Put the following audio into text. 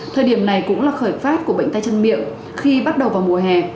thời điểm này cũng là khởi phát của bệnh tay chân miệng khi bắt đầu vào mùa hè